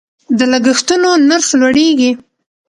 د لګښتونو نرخ لوړیږي.